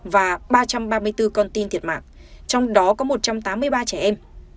và ba trăm ba mươi bốn con tin thiệt mạng trong đó có một trăm tám mươi ba trẻ em